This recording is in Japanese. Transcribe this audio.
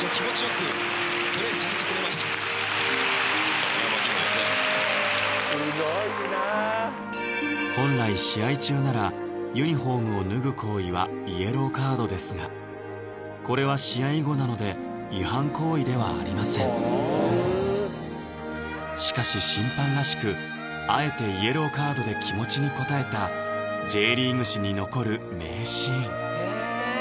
さすが槙野ですね本来試合中ならユニホームを脱ぐ行為はイエローカードですがこれは試合後なので違反行為ではありませんしかし審判らしくあえてイエローカードで気持ちに応えたＪリーグ史に残る名シーン